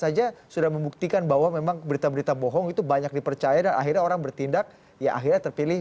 saja sudah membuktikan bahwa memang berita berita bohong itu banyak dipercaya dan akhirnya orang bertindak ya akhirnya terpilih